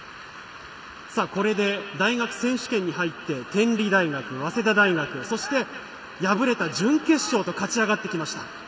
これで大学選手権に入って天理大学、早稲田大学そして、敗れた準決勝と勝ち上がってきました。